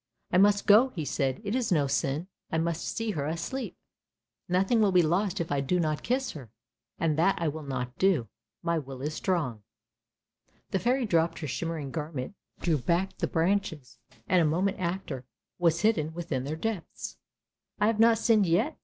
" I must go," he said, "it is no sin, I must see her asleep, nothing will be lost if I do not kiss her, and that I will not do. My will is strong." The Fairy dropped her shimmering garment, drew back the branches, and a moment after was hidden within their depths. "I have not sinned yet!